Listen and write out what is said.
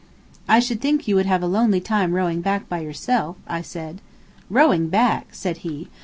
"I should think you would have a lonely time rowing back by yourself," I said. "Rowing back?" said he.